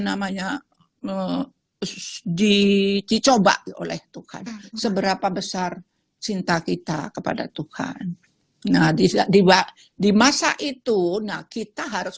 namanya dicoba oleh tuhan seberapa besar cinta kita kepada tuhan nah di masa itu nah kita harus